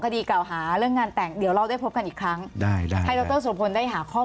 เพราะว่าพึ่งแต่งไม่ครบ๒๔ชั่วโมงเลยนะคะ